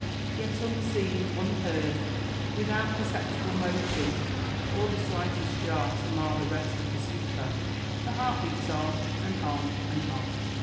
Yet, unseen, unheard, without perceptible motion, or the slightest jar to mar the rest of the sleeper, the heart beats on, and on, and on.